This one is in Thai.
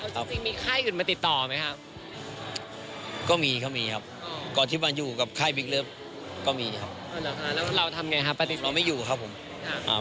จริงมีค่ายอื่นมาติดต่อไหมครับ